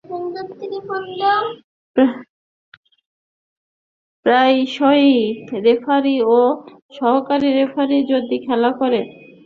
প্রায়শই, রেফারি বা সহকারী রেফারি যদি খেলা চালাতে অক্ষম হন তবে তার পরিবর্তে চতুর্থ কর্মকর্তা দায়িত্ব পালন করতে পারবেন।